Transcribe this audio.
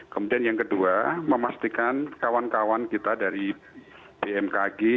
kemudian yang kedua memastikan kawan kawan kita dari bmkg